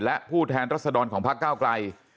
และผู้แทนรัศดรของพักก้าวกลาย